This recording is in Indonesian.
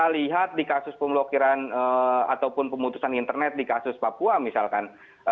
kita lihat di kasus pemblokiran ataupun pemutusan internet di kasus papua misalkan